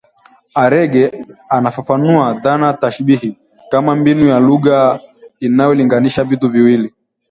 Arege anafafanua dhana tashbihi kama mbinu ya lugha inayolinganisha vitu viwili